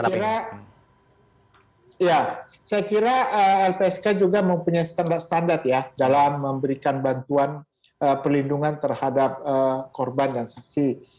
saya kira ya saya kira lpsk juga mempunyai standar standar ya dalam memberikan bantuan perlindungan terhadap korban dan saksi